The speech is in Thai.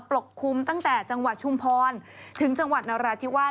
ปลกคลุมตั้งแต่จังหวัดชุมพร